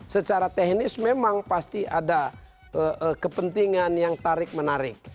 secara teknis memang pasti ada kepentingan yang tarik menarik